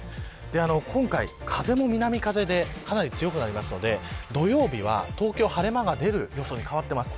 今回、風も南風でかなり強くなりますので土曜日は東京晴れ間が出る予想に変わっています。